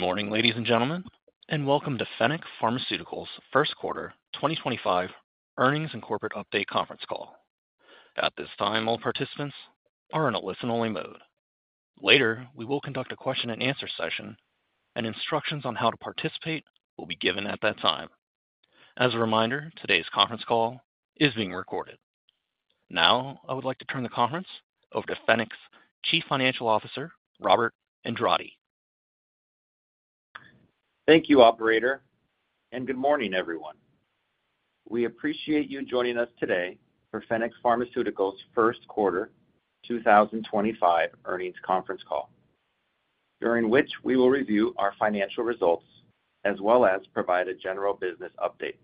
Good morning, ladies and gentlemen, and welcome to Fennec Pharmaceuticals' first quarter 2025 earnings and corporate update conference call. At this time, all participants are in a listen-only mode. Later, we will conduct a question-and-answer session, and instructions on how to participate will be given at that time. As a reminder, today's conference call is being recorded. Now, I would like to turn the conference over to Fennec's Chief Financial Officer, Robert Andrade. Thank you, Operator, and good morning, everyone. We appreciate you joining us today for Fennec Pharmaceuticals' first quarter 2025 earnings conference call, during which we will review our financial results as well as provide a general business update.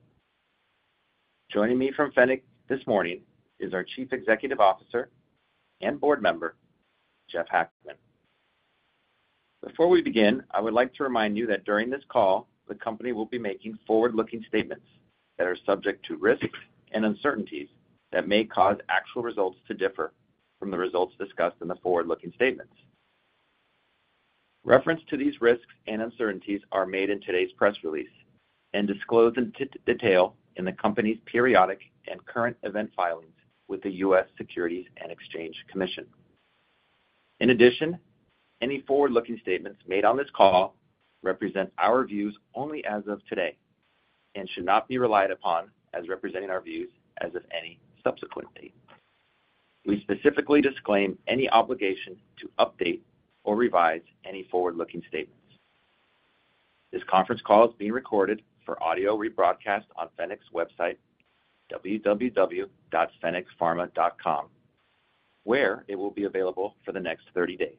Joining me from Fennec this morning is our Chief Executive Officer and board member, Jeff Hackman. Before we begin, I would like to remind you that during this call, the company will be making forward-looking statements that are subject to risks and uncertainties that may cause actual results to differ from the results discussed in the forward-looking statements. Reference to these risks and uncertainties are made in today's press release and disclosed in detail in the company's periodic and current event filings with the U.S. Securities and Exchange Commission. In addition, any forward-looking statements made on this call represent our views only as of today and should not be relied upon as representing our views as of any subsequent date. We specifically disclaim any obligation to update or revise any forward-looking statements. This conference call is being recorded for audio rebroadcast on Fennec's website, www.fennecpharma.com, where it will be available for the next 30 days.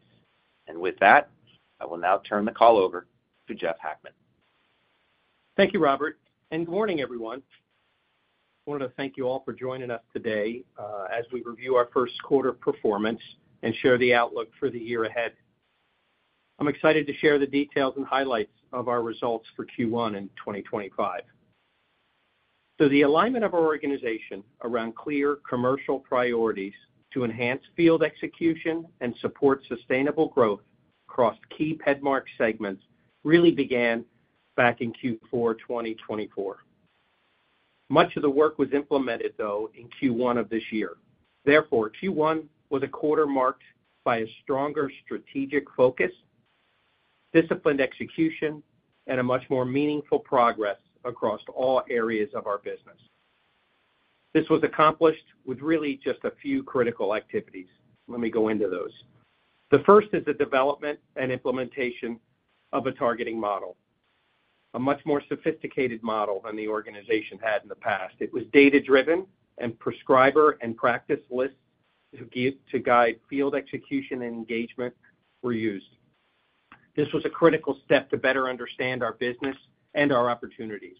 I will now turn the call over to Jeff Hackman. Thank you, Robert, and good morning, everyone. I wanted to thank you all for joining us today as we review our first quarter performance and share the outlook for the year ahead. I'm excited to share the details and highlights of our results for Q1 in 2025. The alignment of our organization around clear commercial priorities to enhance field execution and support sustainable growth across key PEDMARK segments really began back in Q4 2024. Much of the work was implemented, though, in Q1 of this year. Therefore, Q1 was a quarter marked by a stronger strategic focus, disciplined execution, and a much more meaningful progress across all areas of our business. This was accomplished with really just a few critical activities. Let me go into those. The first is the development and implementation of a targeting model, a much more sophisticated model than the organization had in the past. It was data-driven, and prescriber and practice lists to guide field execution and engagement were used. This was a critical step to better understand our business and our opportunities,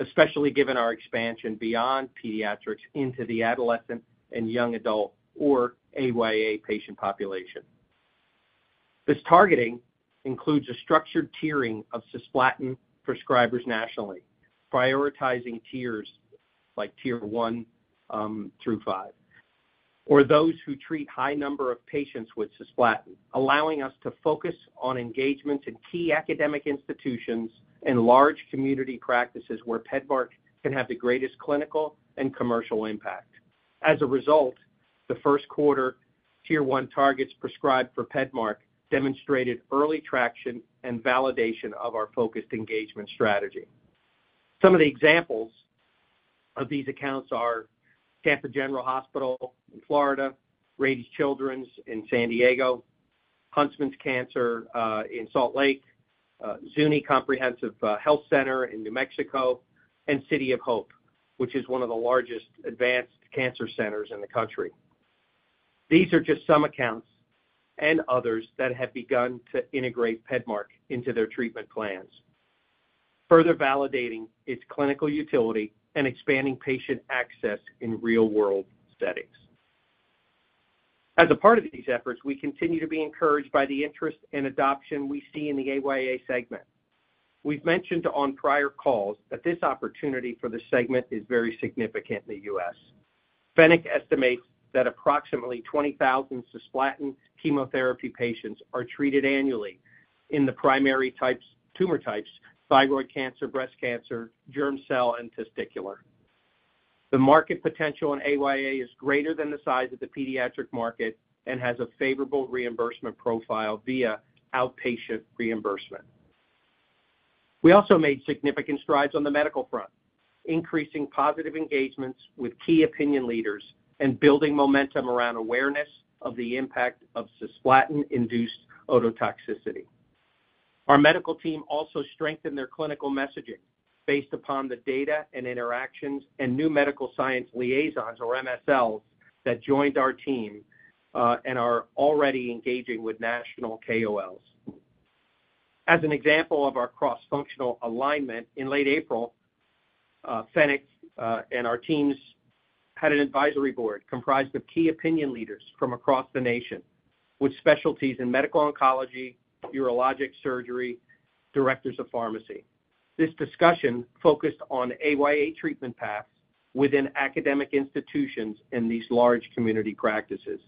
especially given our expansion beyond pediatrics into the adolescent and young adult, or AYA, patient population. This targeting includes a structured tiering of cisplatin prescribers nationally, prioritizing tiers like tier one through five, or those who treat a high number of patients with cisplatin, allowing us to focus on engagements in key academic institutions and large community practices where PEDMARK can have the greatest clinical and commercial impact. As a result, the first quarter tier one targets prescribed for PEDMARK demonstrated early traction and validation of our focused engagement strategy. Some of the examples of these accounts are Tampa General Hospital in Florida, Rady Children's in San Diego, Huntsman Cancer in Salt Lake City, Zuni Comprehensive Health Center in New Mexico, and City of Hope, which is one of the largest advanced cancer centers in the country. These are just some accounts and others that have begun to integrate PEDMARK into their treatment plans, further validating its clinical utility and expanding patient access in real-world settings. As a part of these efforts, we continue to be encouraged by the interest and adoption we see in the AYA segment. We've mentioned on prior calls that this opportunity for the segment is very significant in the U.S. Fennec estimates that approximately 20,000 cisplatin chemotherapy patients are treated annually in the primary tumor types: thyroid cancer, breast cancer, germ cell, and testicular. The market potential in AYA is greater than the size of the pediatric market and has a favorable reimbursement profile via outpatient reimbursement. We also made significant strides on the medical front, increasing positive engagements with key opinion leaders and building momentum around awareness of the impact of cisplatin-induced ototoxicity. Our medical team also strengthened their clinical messaging based upon the data and interactions and new medical science liaisons, or MSLs, that joined our team and are already engaging with national KOLs. As an example of our cross-functional alignment, in late April, Fennec and our teams had an advisory board comprised of key opinion leaders from across the nation with specialties in medical oncology, urologic surgery, and directors of pharmacy. This discussion focused on AYA treatment paths within academic institutions and these large community practices.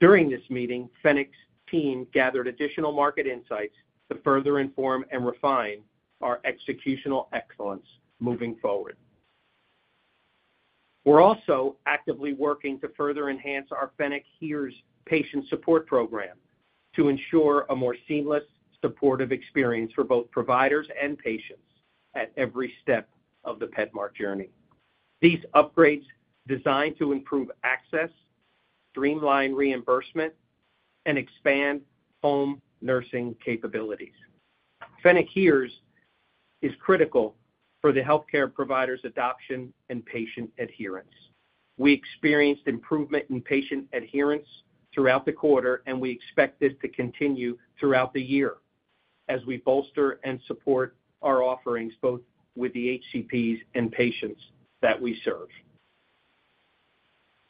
During this meeting, Fennec's team gathered additional market insights to further inform and refine our executional excellence moving forward. We're also actively working to further enhance our Fennec HERES patient support program to ensure a more seamless, supportive experience for both providers and patients at every step of the PEDMARK journey. These upgrades are designed to improve access, streamline reimbursement, and expand home nursing capabilities. Fennec HERES is critical for the healthcare provider's adoption and patient adherence. We experienced improvement in patient adherence throughout the quarter, and we expect this to continue throughout the year as we bolster and support our offerings both with the HCPs and patients that we serve.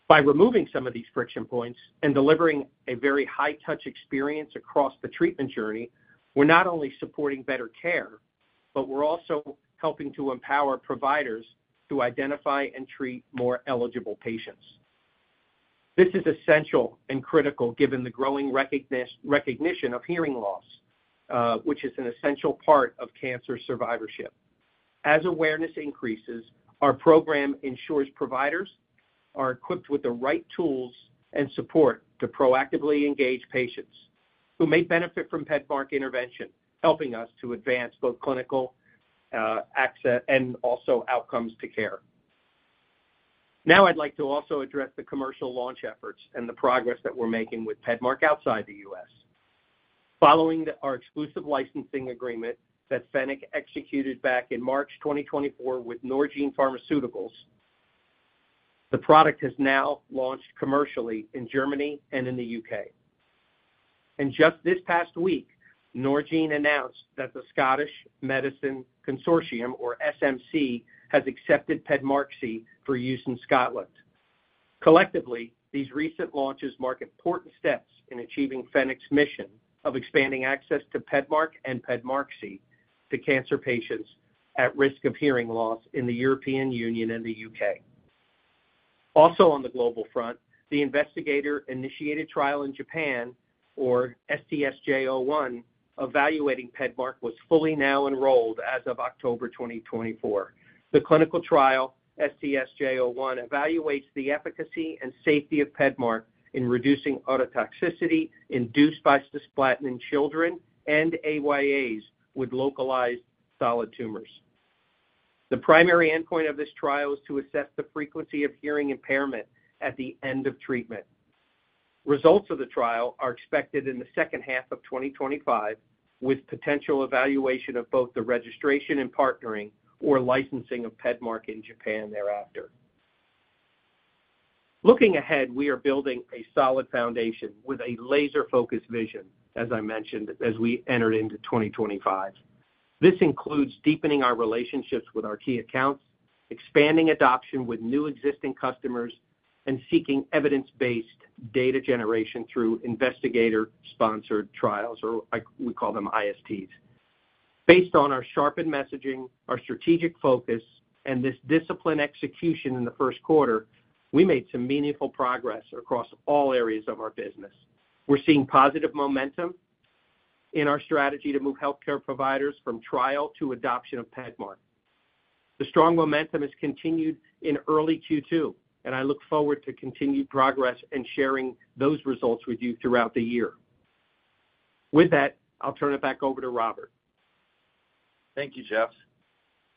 By removing some of these friction points and delivering a very high-touch experience across the treatment journey, we're not only supporting better care, but we're also helping to empower providers to identify and treat more eligible patients. This is essential and critical given the growing recognition of hearing loss, which is an essential part of cancer survivorship. As awareness increases, our program ensures providers are equipped with the right tools and support to proactively engage patients who may benefit from PEDMARK intervention, helping us to advance both clinical access and also outcomes to care. Now, I'd like to also address the commercial launch efforts and the progress that we're making with PEDMARK outside the U.S. Following our exclusive licensing agreement that Fennec executed back in March 2024 with Norgine, the product has now launched commercially in Germany and in the U.K. Just this past week, Norgine announced that the Scottish Medicines Consortium, or SMC, has accepted PEDMARK C for use in Scotland. Collectively, these recent launches mark important steps in achieving Fennec's mission of expanding access to PEDMARK and PEDMARK C to cancer patients at risk of hearing loss in the European Union and the U.K. Also, on the global front, the investigator-initiated trial in Japan, or STS-J01, evaluating PEDMARK, was fully now enrolled as of October 2024. The clinical trial, STS-J01, evaluates the efficacy and safety of PEDMARK in reducing ototoxicity induced by cisplatin in children and AYAs with localized solid tumors. The primary endpoint of this trial is to assess the frequency of hearing impairment at the end of treatment. Results of the trial are expected in the second half of 2025, with potential evaluation of both the registration and partnering, or licensing, of PEDMARK in Japan thereafter. Looking ahead, we are building a solid foundation with a laser-focused vision, as I mentioned, as we enter into 2025. This includes deepening our relationships with our key accounts, expanding adoption with new existing customers, and seeking evidence-based data generation through investigator-sponsored trials, or we call them ISTs. Based on our sharpened messaging, our strategic focus, and this disciplined execution in the first quarter, we made some meaningful progress across all areas of our business. We're seeing positive momentum in our strategy to move healthcare providers from trial to adoption of PEDMARK. The strong momentum has continued in early Q2, and I look forward to continued progress and sharing those results with you throughout the year. With that, I'll turn it back over to Robert. Thank you, Jeff.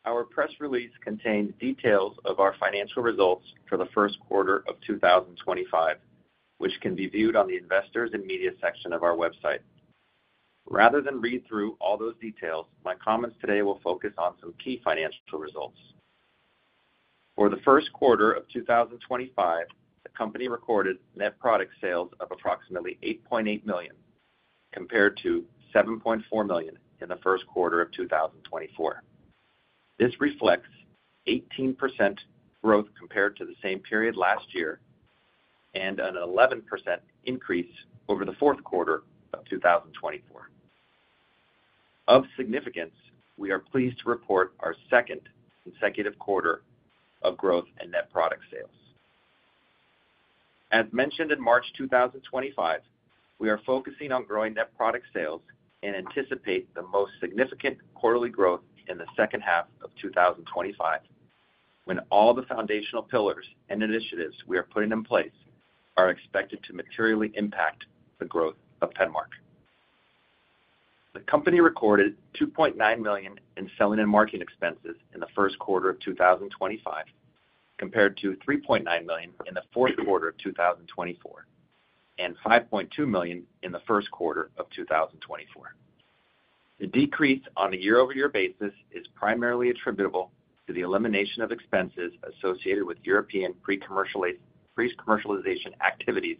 Our press release contained details of our financial results for the first quarter of 2025, which can be viewed on the investors' and media section of our website. Rather than read through all those details, my comments today will focus on some key financial results. For the first quarter of 2025, the company recorded net product sales of approximately $8.8 million, compared to $7.4 million in the first quarter of 2024. This reflects 18% growth compared to the same period last year and an 11% increase over the fourth quarter of 2024. Of significance, we are pleased to report our second consecutive quarter of growth in net product sales. As mentioned in March 2025, we are focusing on growing net product sales and anticipate the most significant quarterly growth in the second half of 2025, when all the foundational pillars and initiatives we are putting in place are expected to materially impact the growth of PEDMARK. The company recorded $2.9 million in selling and marketing expenses in the first quarter of 2025, compared to $3.9 million in the fourth quarter of 2024 and $5.2 million in the first quarter of 2024. The decrease on a year-over-year basis is primarily attributable to the elimination of expenses associated with European pre-commercialization activities,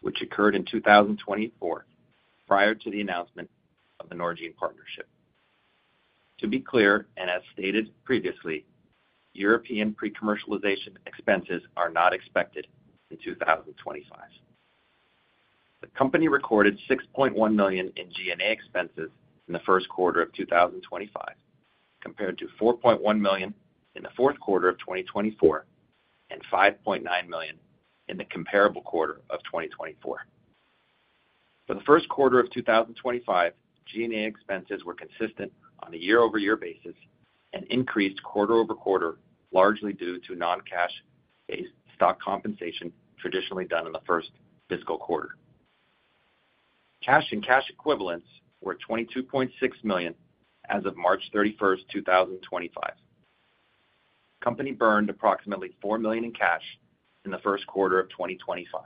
which occurred in 2024 prior to the announcement of the Norgine partnership. To be clear, and as stated previously, European pre-commercialization expenses are not expected in 2025. The company recorded $6.1 million in G&A expenses in the first quarter of 2025, compared to $4.1 million in the fourth quarter of 2024 and $5.9 million in the comparable quarter of 2024. For the first quarter of 2025, G&A expenses were consistent on a year-over-year basis and increased quarter over quarter, largely due to non-cash-based stock compensation traditionally done in the first fiscal quarter. Cash and cash equivalents were $22.6 million as of March 31, 2025. Company burned approximately $4 million in cash in the first quarter of 2025.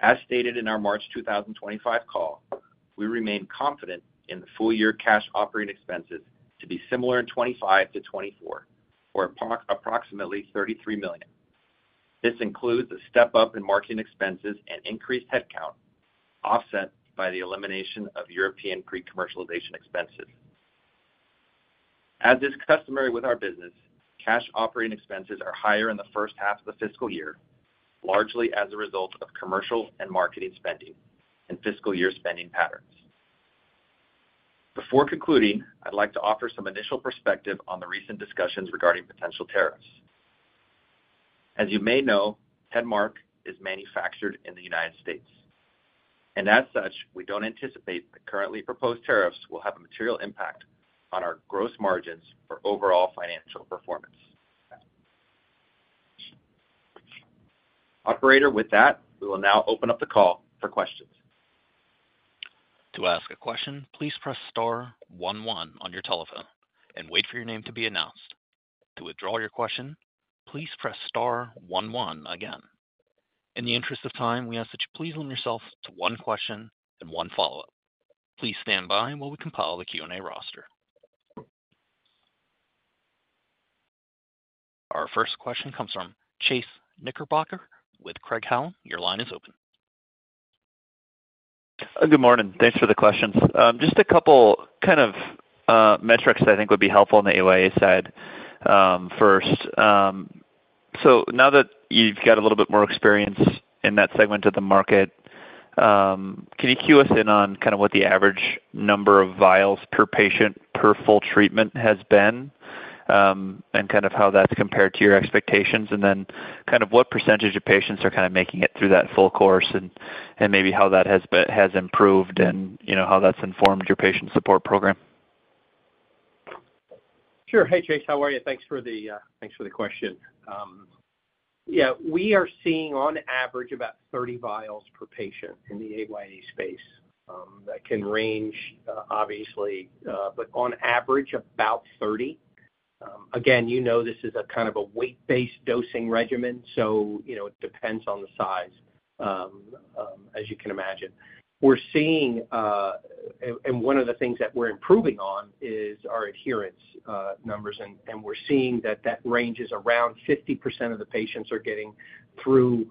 As stated in our March 2025 call, we remain confident in the full-year cash operating expenses to be similar in 2025 to 2024, or approximately $33 million. This includes a step-up in marketing expenses and increased headcount offset by the elimination of European pre-commercialization expenses. As is customary with our business, cash operating expenses are higher in the first half of the fiscal year, largely as a result of commercial and marketing spending and fiscal year spending patterns. Before concluding, I'd like to offer some initial perspective on the recent discussions regarding potential tariffs. As you may know, PEDMARK is manufactured in the United States. As such, we don't anticipate the currently proposed tariffs will have a material impact on our gross margins or overall financial performance. Operator, with that, we will now open up the call for questions. To ask a question, please press star 11 on your telephone and wait for your name to be announced. To withdraw your question, please press star 11 again. In the interest of time, we ask that you please limit yourself to one question and one follow-up. Please stand by while we compile the Q&A roster. Our first question comes from Chase Knickerbocker with Craig-Hallum. Your line is open. Good morning. Thanks for the questions. Just a couple kind of metrics that I think would be helpful on the AYA side. First, so now that you've got a little bit more experience in that segment of the market, can you cue us in on kind of what the average number of vials per patient per full treatment has been and kind of how that's compared to your expectations? Then kind of what percentage of patients are kind of making it through that full course and maybe how that has improved and how that's informed your patient support program? Sure. Hey, Chase, how are you? Thanks for the question. Yeah, we are seeing on average about 30 vials per patient in the AYA space. That can range, obviously, but on average, about 30. Again, you know this is a kind of a weight-based dosing regimen, so it depends on the size, as you can imagine. We're seeing, and one of the things that we're improving on is our adherence numbers, and we're seeing that that range is around 50% of the patients are getting through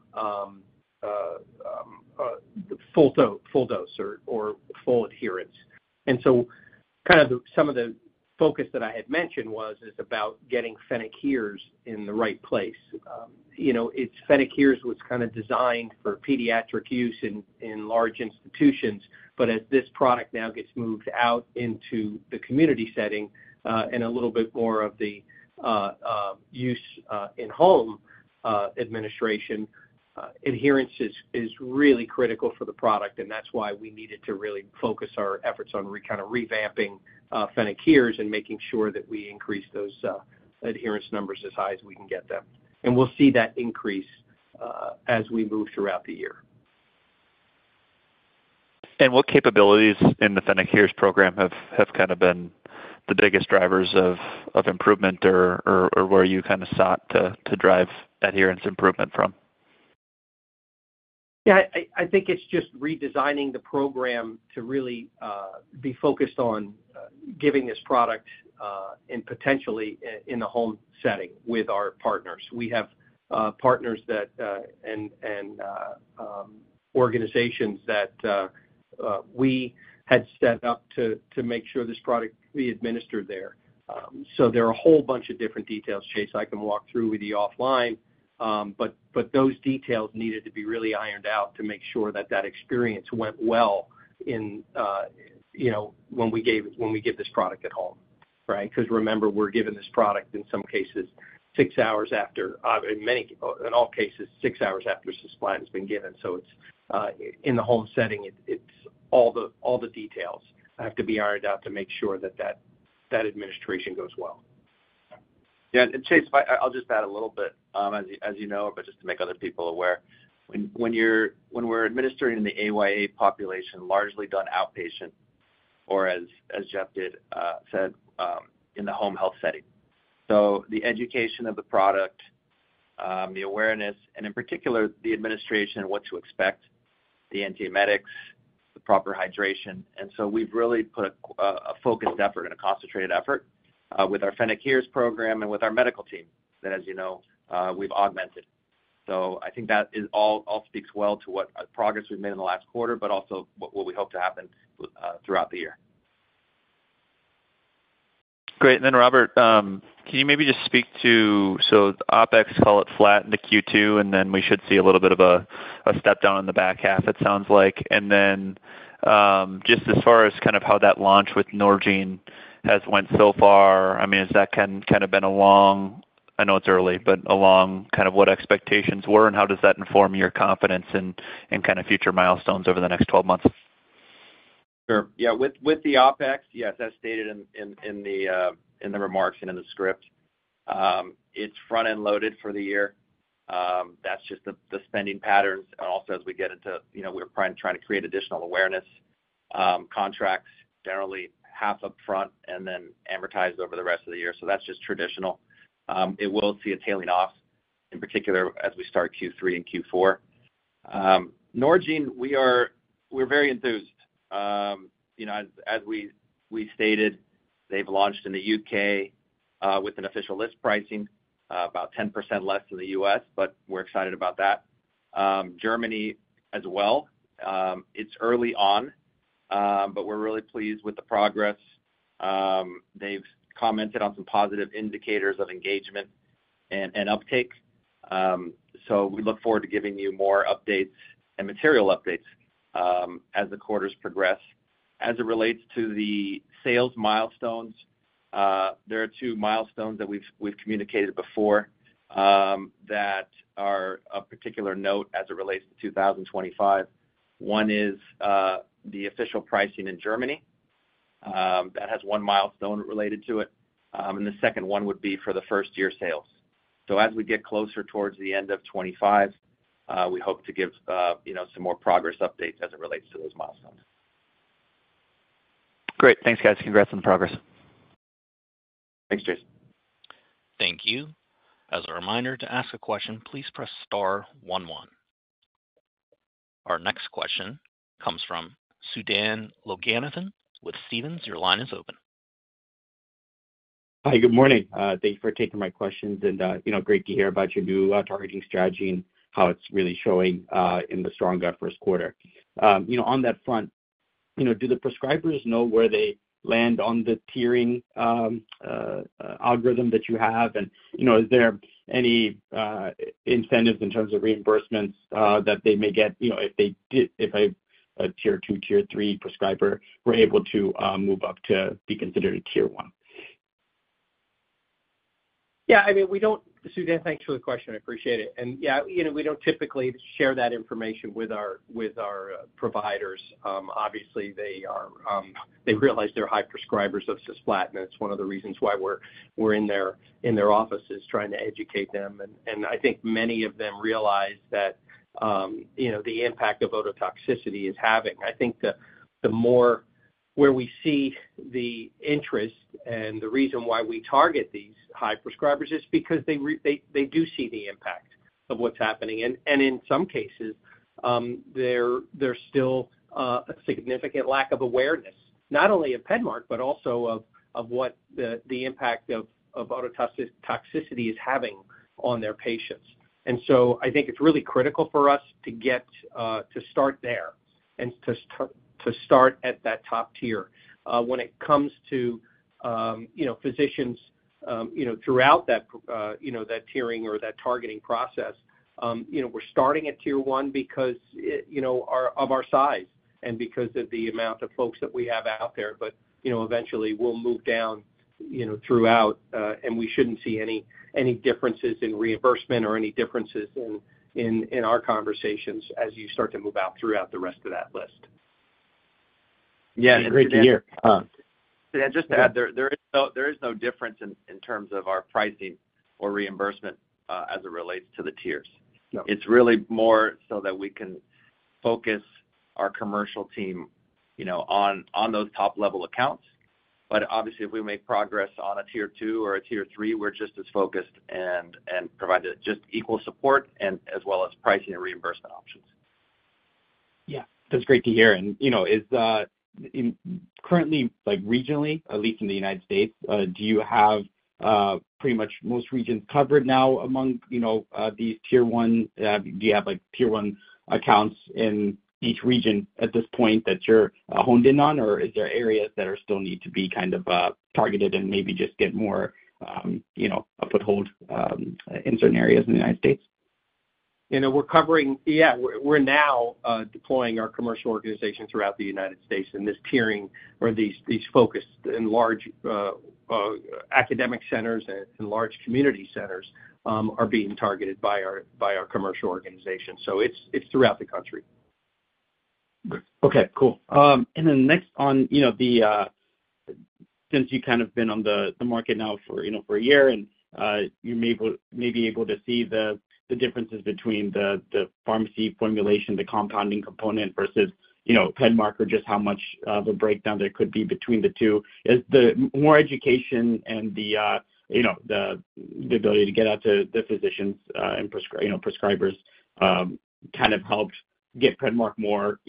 full dose or full adherence. Some of the focus that I had mentioned was about getting Fennec HEARS in the right place. Fennec HERES was kind of designed for pediatric use in large institutions, but as this product now gets moved out into the community setting and a little bit more of the use in home administration, adherence is really critical for the product, and that's why we needed to really focus our efforts on kind of revamping Fennec HERES and making sure that we increase those adherence numbers as high as we can get them. We'll see that increase as we move throughout the year. What capabilities in the Fennec HEARS program have kind of been the biggest drivers of improvement or where you kind of sought to drive adherence improvement from? Yeah, I think it's just redesigning the program to really be focused on giving this product and potentially in the home setting with our partners. We have partners and organizations that we had set up to make sure this product could be administered there. There are a whole bunch of different details, Chase, I can walk through with you offline, but those details needed to be really ironed out to make sure that that experience went well when we give this product at home, right? Because remember, we're giving this product in some cases six hours after, in all cases, six hours after cisplatin has been given. In the home setting, all the details have to be ironed out to make sure that that administration goes well. Yeah, and Chase, I'll just add a little bit, as you know, but just to make other people aware. When we're administering in the AYA population, largely done outpatient, or as Jeff said, in the home health setting. The education of the product, the awareness, and in particular, the administration and what to expect, the antiemetics, the proper hydration. We have really put a focused effort and a concentrated effort with our Fennec HERES program and with our medical team that, as you know, we have augmented. I think that all speaks well to what progress we have made in the last quarter, but also what we hope to happen throughout the year. Great. Robert, can you maybe just speak to, so the OpEx, call it flat in the Q2, and then we should see a little bit of a step down in the back half, it sounds like. Just as far as kind of how that launch with Norgeen has went so far, I mean, has that kind of been along, I know it's early, but along kind of what expectations were, and how does that inform your confidence in kind of future milestones over the next 12 months? Sure. Yeah, with the OpEx, yes, as stated in the remarks and in the script, it's front-end loaded for the year. That's just the spending patterns. Also, as we get into, we're trying to create additional awareness contracts. Generally half upfront and then amortized over the rest of the year. That's just traditional. It will see a tailing off, in particular, as we start Q3 and Q4. Norgeen, we're very enthused. As we stated, they've launched in the U.K. with an official list pricing, about 10% less than the U.S., but we're excited about that. Germany as well. It's early on, but we're really pleased with the progress. They've commented on some positive indicators of engagement and uptake. We look forward to giving you more updates and material updates as the quarters progress. As it relates to the sales milestones, there are two milestones that we've communicated before that are of particular note as it relates to 2025. One is the official pricing in Germany. That has one milestone related to it. The second one would be for the first-year sales. As we get closer towards the end of 2025, we hope to give some more progress updates as it relates to those milestones. Great. Thanks, guys. Congrats on the progress. Thanks, Chase. Thank you. As a reminder, to ask a question, please press star 11. Our next question comes from Sudan Loganathan with Stephens. Your line is open. Hi, good morning. Thank you for taking my questions. Great to hear about your new targeting strategy and how it's really showing in the stronger first quarter. On that front, do the prescribers know where they land on the tiering algorithm that you have? Is there any incentives in terms of reimbursements that they may get if a tier two, tier three prescriber were able to move up to be considered a tier one? Yeah, I mean, we don't, Sudan, thanks for the question. I appreciate it. Yeah, we don't typically share that information with our providers. Obviously, they realize they're high prescribers of cisplatin. That's one of the reasons why we're in their offices trying to educate them. I think many of them realize that the impact of ototoxicity is having. I think the more where we see the interest and the reason why we target these high prescribers is because they do see the impact of what's happening. In some cases, there's still a significant lack of awareness, not only of PEDMARK, but also of what the impact of ototoxicity is having on their patients. I think it's really critical for us to start there and to start at that top tier. When it comes to physicians throughout that tiering or that targeting process, we're starting at tier one because of our size and because of the amount of folks that we have out there. Eventually, we'll move down throughout, and we shouldn't see any differences in reimbursement or any differences in our conversations as you start to move out throughout the rest of that list. Yeah, great to hear. Just to add, there is no difference in terms of our pricing or reimbursement as it relates to the tiers. It's really more so that we can focus our commercial team on those top-level accounts. Obviously, if we make progress on a tier two or a tier three, we're just as focused and provide just equal support as well as pricing and reimbursement options. Yeah, that's great to hear. Currently, regionally, at least in the United States, do you have pretty much most regions covered now among these tier one? Do you have tier one accounts in each region at this point that you're honed in on, or is there areas that still need to be kind of targeted and maybe just get more of a foothold in certain areas in the United States? Yeah, we're now deploying our commercial organization throughout the United States. This tiering or these focused in large academic centers and large community centers are being targeted by our commercial organization. It's throughout the country. Okay, cool. Next, since you've kind of been on the market now for a year, and you may be able to see the differences between the pharmacy formulation, the compounding component versus PEDMARK, or just how much of a breakdown there could be between the two. Is the more education and the ability to get out to the physicians and prescribers kind of helped get PEDMARK more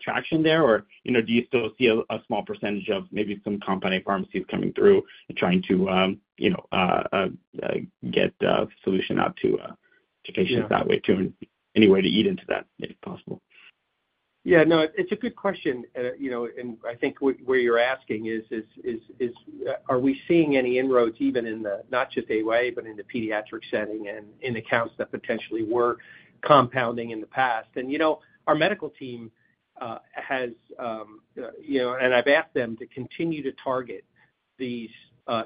traction there, or do you still see a small percentage of maybe some compounding pharmacies coming through and trying to get solution out to patients that way too, and any way to eat into that if possible? Yeah, no, it's a good question. I think where you're asking is, are we seeing any inroads even in not just AYA, but in the pediatric setting and in accounts that potentially were compounding in the past? Our medical team has, and I've asked them to continue to target these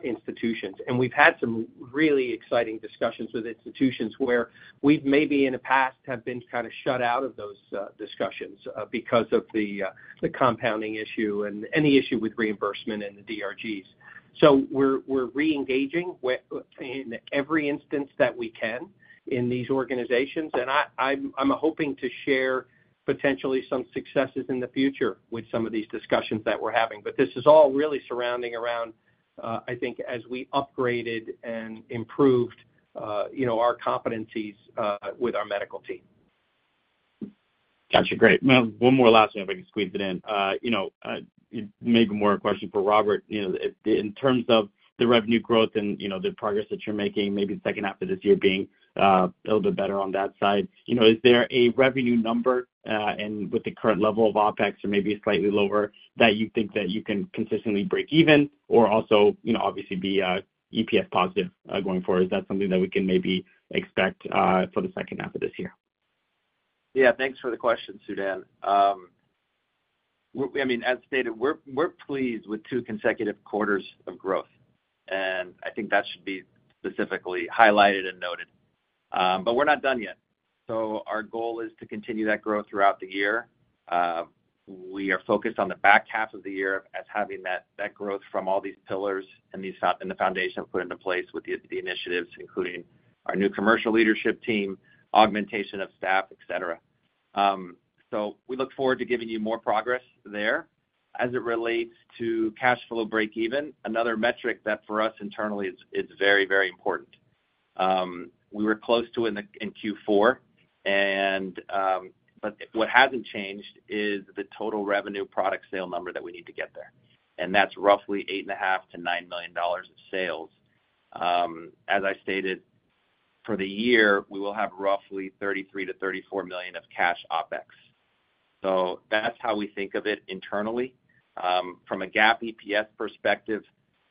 institutions. We've had some really exciting discussions with institutions where we've maybe in the past have been kind of shut out of those discussions because of the compounding issue and any issue with reimbursement and the DRGs. We're reengaging in every instance that we can in these organizations. I'm hoping to share potentially some successes in the future with some of these discussions that we're having. This is all really surrounding around, I think, as we upgraded and improved our competencies with our medical team. Gotcha. Great. One more last one, if I can squeeze it in. Maybe more a question for Robert. In terms of the revenue growth and the progress that you're making, maybe the second half of this year being a little bit better on that side, is there a revenue number with the current level of OpEx or maybe slightly lower that you think that you can consistently break even or also obviously be EPS positive going forward? Is that something that we can maybe expect for the second half of this year? Yeah, thanks for the question, Sudan. I mean, as stated, we're pleased with two consecutive quarters of growth. I think that should be specifically highlighted and noted. We're not done yet. Our goal is to continue that growth throughout the year. We are focused on the back half of the year as having that growth from all these pillars and the foundation put into place with the initiatives, including our new commercial leadership team, augmentation of staff, etc. We look forward to giving you more progress there as it relates to cash flow break even, another metric that for us internally is very, very important. We were close to it in Q4. What hasn't changed is the total revenue product sale number that we need to get there. That's roughly $8.5 million-$9 million of sales. As I stated, for the year, we will have roughly $33 million-$34 million of cash OpEx. That is how we think of it internally. From a GAAP EPS perspective,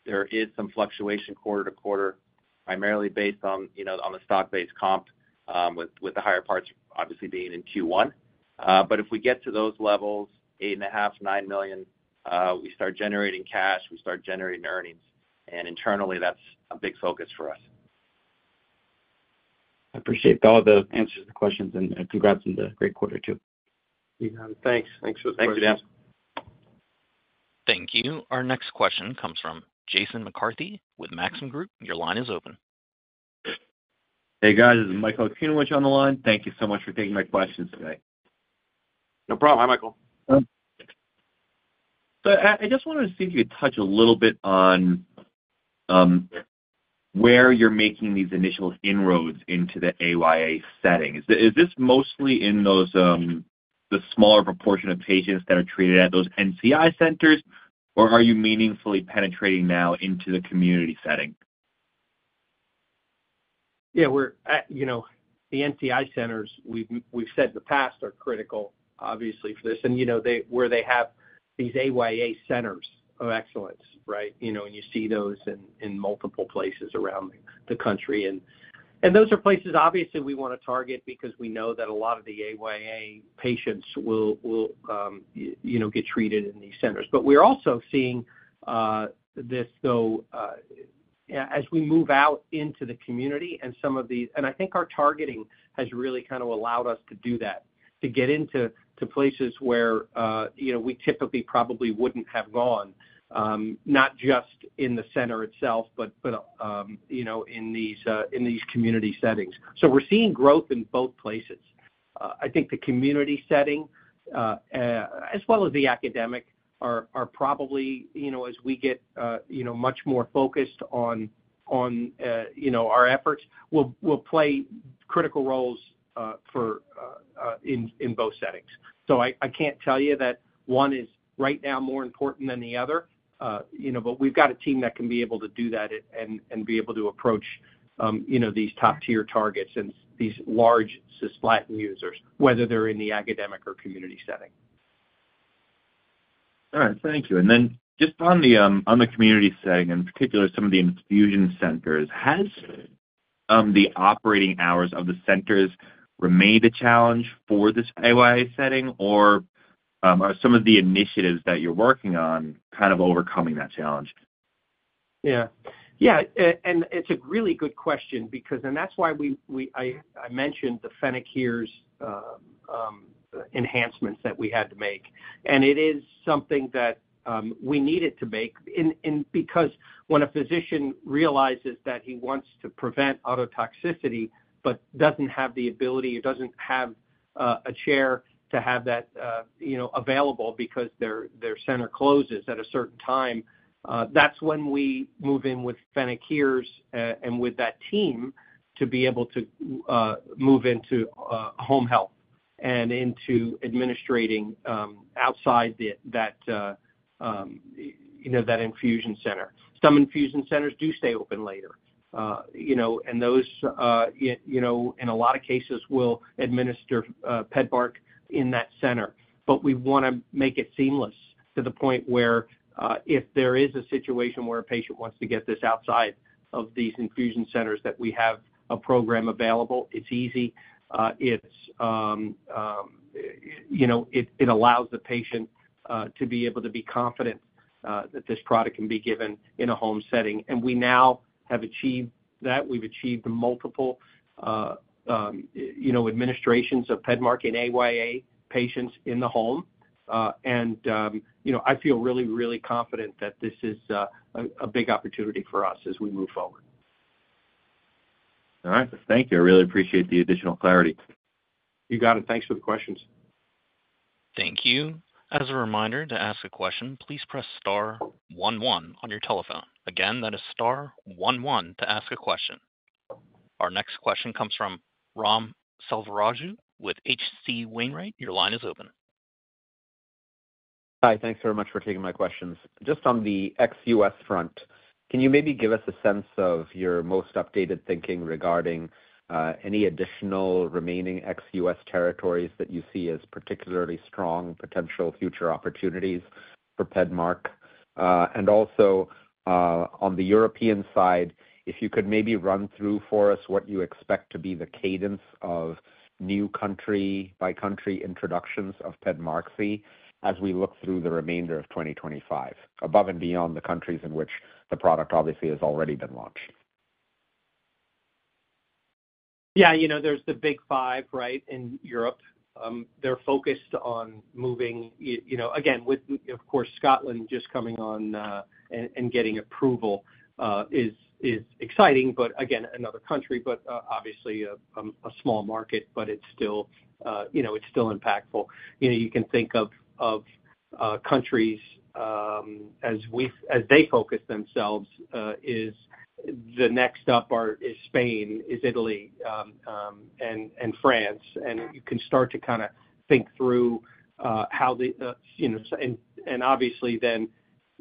there is some fluctuation quarter to quarter, primarily based on the stock-based comp, with the higher parts obviously being in Q1. If we get to those levels, $8.5 million-$9 million, we start generating cash, we start generating earnings. Internally, that is a big focus for us. I appreciate all the answers to the questions and congrats on the great quarter too. Thanks. Thanks for the questions. Thank you. Our next question comes from Jason McCarthy with Maxim Group. Your line is open. Hey, guys. This is Michael Kenowich on the line. Thank you so much for taking my questions today. No problem. Hi, Michael. I just wanted to see if you could touch a little bit on where you're making these initial inroads into the AYA setting. Is this mostly in the smaller proportion of patients that are treated at those NCI centers, or are you meaningfully penetrating now into the community setting? Yeah, the NCI centers, we've said in the past are critical, obviously, for this. Where they have these AYA centers of excellence, right? You see those in multiple places around the country. Those are places, obviously, we want to target because we know that a lot of the AYA patients will get treated in these centers. We're also seeing this, though, as we move out into the community and some of the—I think our targeting has really kind of allowed us to do that, to get into places where we typically probably wouldn't have gone, not just in the center itself, but in these community settings. We're seeing growth in both places. I think the community setting, as well as the academic, are probably, as we get much more focused on our efforts, going to play critical roles in both settings. I can't tell you that one is right now more important than the other. But we've got a team that can be able to do that and be able to approach these top-tier targets and these large cisplatin users, whether they're in the academic or community setting. All right. Thank you. And then just on the community setting, in particular, some of the infusion centers, has the operating hours of the centers remained a challenge for this AYA setting, or are some of the initiatives that you're working on kind of overcoming that challenge? Yeah. Yeah. It is a really good question because—that is why I mentioned the Fennec HEARS enhancements that we had to make. It is something that we needed to make because when a physician realizes that he wants to prevent ototoxicity but does not have the ability or does not have a chair to have that available because their center closes at a certain time, that is when we move in with Fennec HEARS and with that team to be able to move into home health and into administrating outside that infusion center. Some infusion centers do stay open later. Those, in a lot of cases, will administer PEDMARK in that center. We want to make it seamless to the point where if there is a situation where a patient wants to get this outside of these infusion centers, we have a program available, it is easy. It allows the patient to be able to be confident that this product can be given in a home setting. We now have achieved that. We have achieved multiple administrations of PEDMARK in AYA patients in the home. I feel really, really confident that this is a big opportunity for us as we move forward. All right. Thank you. I really appreciate the additional clarity. You got it. Thanks for the questions. Thank you. As a reminder, to ask a question, please press star 11 on your telephone. Again, that is star 11 to ask a question. Our next question comes from Ram Selvaraju with H.C. Wainwright. Your line is open. Hi. Thanks very much for taking my questions. Just on the ex-U.S. front, can you maybe give us a sense of your most updated thinking regarding any additional remaining ex-U.S. territories that you see as particularly strong potential future opportunities for PEDMARK? Also on the European side, if you could maybe run through for us what you expect to be the cadence of new country-by-country introductions of PEDMARK as we look through the remainder of 2025, above and beyond the countries in which the product obviously has already been launched. Yeah, there's the big five, right, in Europe. They're focused on moving again, with, of course, Scotland just coming on and getting approval is exciting. Again, another country, but obviously a small market, but it's still impactful. You can think of countries as they focus themselves. The next up is Spain, is Italy, and France. You can start to kind of think through how the—and obviously then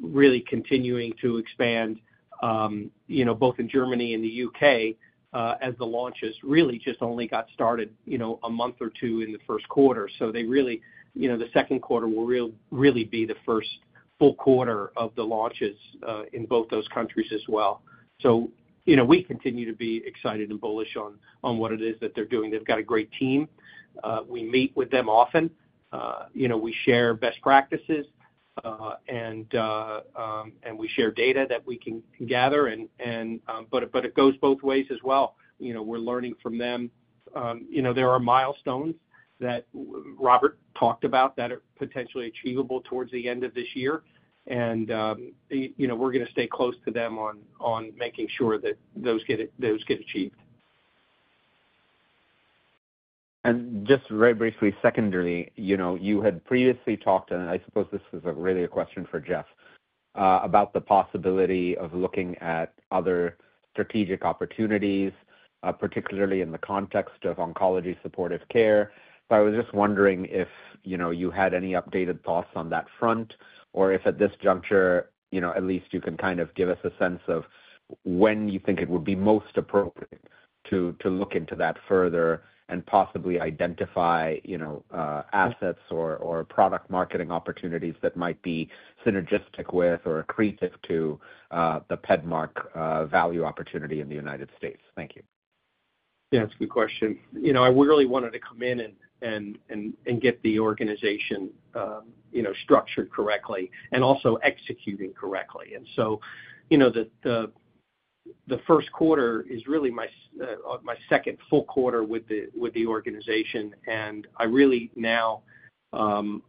really continuing to expand both in Germany and the U.K. as the launches really just only got started a month or two in the first quarter. They really—the second quarter will really be the first full quarter of the launches in both those countries as well. We continue to be excited and bullish on what it is that they're doing. They've got a great team. We meet with them often. We share best practices, and we share data that we can gather. It goes both ways as well. We're learning from them. There are milestones that Robert talked about that are potentially achievable towards the end of this year. We're going to stay close to them on making sure that those get achieved. Just very briefly, secondarily, you had previously talked—and I suppose this is really a question for Jeff—about the possibility of looking at other strategic opportunities, particularly in the context of oncology supportive care. I was just wondering if you had any updated thoughts on that front, or if at this juncture, at least you can kind of give us a sense of when you think it would be most appropriate to look into that further and possibly identify assets or product marketing opportunities that might be synergistic with or accretive to the PEDMARK value opportunity in the United States. Thank you. Yeah, that's a good question. I really wanted to come in and get the organization structured correctly and also executing correctly. The first quarter is really my second full quarter with the organization. I really now am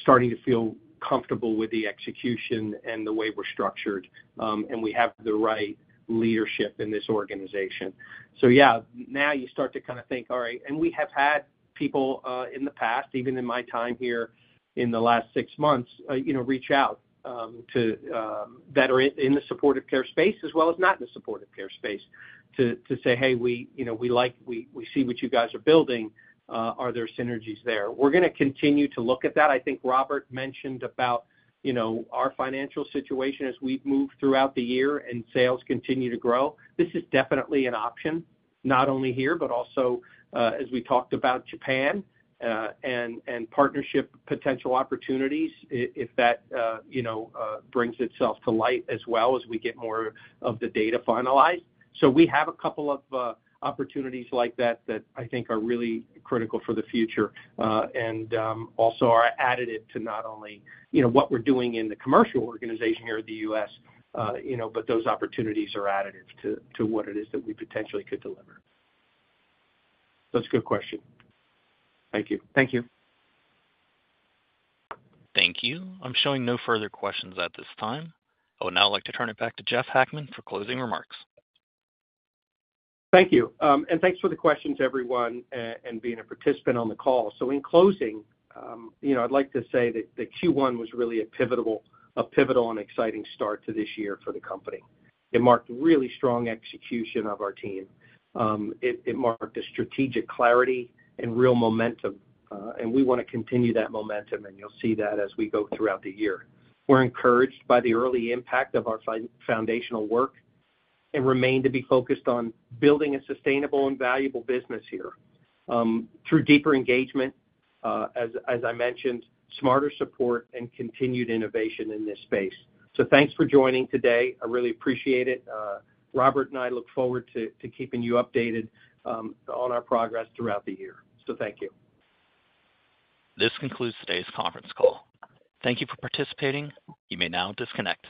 starting to feel comfortable with the execution and the way we're structured. We have the right leadership in this organization. Yeah, now you start to kind of think, "All right." We have had people in the past, even in my time here in the last six months, reach out that are in the supportive care space as well as not in the supportive care space to say, "Hey, we see what you guys are building. Are there synergies there?" We're going to continue to look at that. I think Robert mentioned about our financial situation as we've moved throughout the year and sales continue to grow. This is definitely an option, not only here, but also as we talked about Japan and partnership potential opportunities if that brings itself to light as well as we get more of the data finalized. We have a couple of opportunities like that that I think are really critical for the future and also are additive to not only what we're doing in the commercial organization here in the U.S., but those opportunities are additive to what it is that we potentially could deliver. That's a good question. Thank you. Thank you. Thank you. I'm showing no further questions at this time. I would now like to turn it back to Jeff Hackman for closing remarks. Thank you. And thanks for the questions, everyone, and being a participant on the call. In closing, I'd like to say that Q1 was really a pivotal and exciting start to this year for the company. It marked really strong execution of our team. It marked a strategic clarity and real momentum. We want to continue that momentum. You'll see that as we go throughout the year. We're encouraged by the early impact of our foundational work and remain to be focused on building a sustainable and valuable business here through deeper engagement, as I mentioned, smarter support, and continued innovation in this space. Thanks for joining today. I really appreciate it. Robert and I look forward to keeping you updated on our progress throughout the year. Thank you. This concludes today's conference call. Thank you for participating. You may now disconnect.